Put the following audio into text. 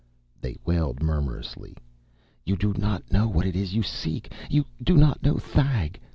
they wailed murmurously. "You do not know what it is you seek! You do not know Thag!